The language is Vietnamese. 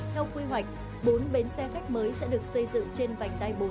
theo quy hoạch bốn bến xe khách mới sẽ được xây dựng trên vành đai bốn